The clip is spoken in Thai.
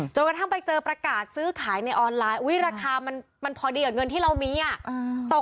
จนกระทั่งไปเจอประกาศซื้อขายในออนไลน์หรือระคามันมันพอดีนเงินที่เรามีก่อน